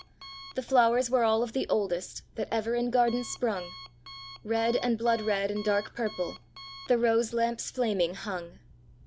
The flowers were all of the oldest That ever in garden sprung; Red, and blood red, and dark purple, The rose lamps flaming hung.